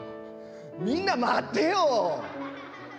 みんな待ってよ。